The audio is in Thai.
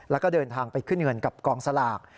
แล้วก็เดินทางไปขึ้นเงินกับกองสลาก